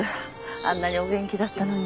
あんなにお元気だったのに。